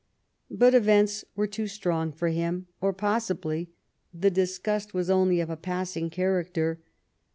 But events were too strong for him, or possibly, the disgust was only of a passing character.